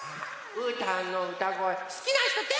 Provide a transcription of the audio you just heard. うーたんのうたごえすきなひとてあげて！